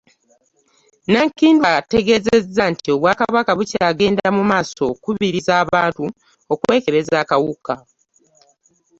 Nankindu ategeezezza nti obwakabaka bukyagenda mu maaso okukubiriza abantu okwekebeza akawuka